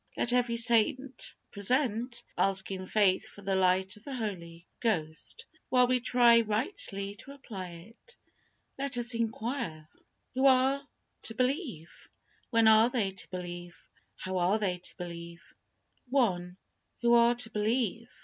Let every saint present, ask in faith for the light of the Holy Ghost, while we try rightly to apply it. Let us enquire: 1. Who are to believe? 2. When are they to believe? 3. How are they to believe? I. Who are to believe?